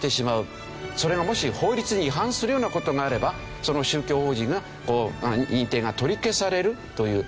それがもし法律に違反するような事があればその宗教法人がこう認定が取り消されるという。